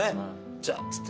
「じゃ」っつって